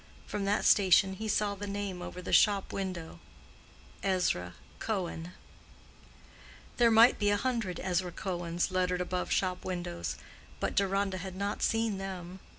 From that station he saw the name over the shop window—Ezra Cohen. There might be a hundred Ezra Cohens lettered above shop windows, but Deronda had not seen them.